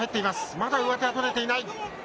まだ上手は取れていない。